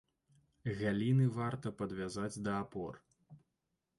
Галіны варта падвязаць да апор.